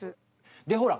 でほら